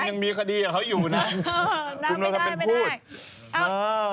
คุณยังมีคดีอยู่นะ